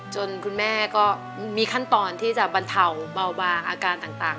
คุณแม่ก็มีขั้นตอนที่จะบรรเทาเบาบางอาการต่าง